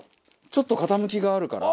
ちょっと傾きがあるから。